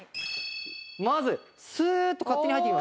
まずスーッと勝手に入っていきます。